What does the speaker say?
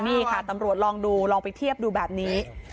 นี่ค่ะตำรวจลองดูลองไปเทียบดูแบบนี้